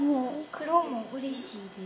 黒もうれしいです。